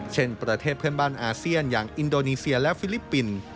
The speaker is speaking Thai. เช่นประเทศเพื่อนบ้านอาเซียนอย่างอินโดนีเซียและฟิลิปปินส์